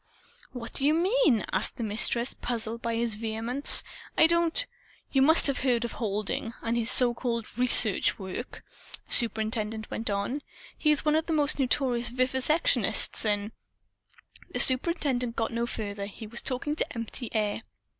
"What do you mean?" asked the Mistress, puzzled by his vehemence. "I don't " "You must have heard of Halding and his so called 'research work,'" the superintendent went on. "He is one of the most notorious vivisectionists in " The superintendent got no further. He was talking to empty air.